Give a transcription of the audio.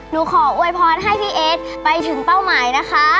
หนูขออวยพรให้พี่เอสไปถึงเป้าหมายนะคะ